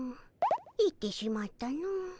行ってしまったの。